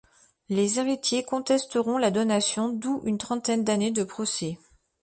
Les héritiers contesteront la donation, d'où une trentaine d'années de procès.